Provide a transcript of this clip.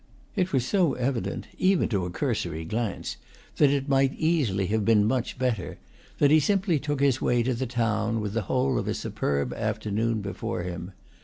It was so evident (even to a cursory glance) that it might easily have been much better that he simply took his way to the town, with the whole of a superb afternoon before him.